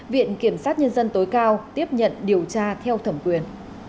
viện kiểm sát nhân dân tối cao tiếp nhận điều tra theo thẩm quyền